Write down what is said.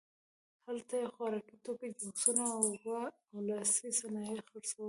هلته یې خوراکي توکي، جوسونه، اوبه او لاسي صنایع خرڅول.